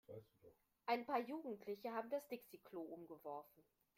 Ein paar Jugendliche haben das Dixi-Klo umgeworfen.